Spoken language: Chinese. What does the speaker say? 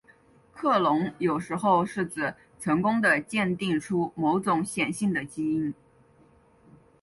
克隆有时候是指成功地鉴定出某种显性的基因。